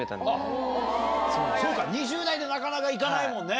２０代でなかなか行かないもんね。